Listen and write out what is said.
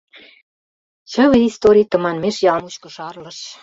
Чыве историй тыманмеш ял мучко шарлыш.